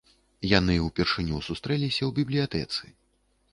Яны ўпершыню сустрэліся ў бібліятэцы.